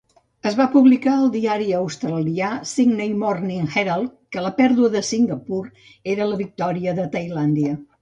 Es va publicar al diari australià Sydney Morning Herald que la pèrdua de Singapur era la victòria de Tailàndia.